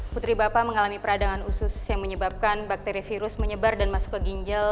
putri bapak mengalami peradangan usus yang menyebabkan bakteri virus menyebar dan masuk ke ginjal